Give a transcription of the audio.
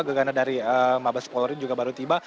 gegana dari mabes polri juga baru tiba